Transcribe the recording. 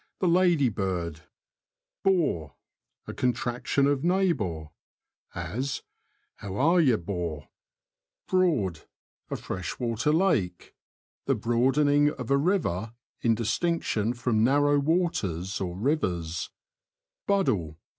— The ladybird. 'BOR. — A contraction of neighbour; as, "How are you, 'bor?'' 250 THE LAND OF THE BROADS. Broad. — A freshwater lake ; the broadening of a river, in distinction from narrow waters or rivers. BUDDLE.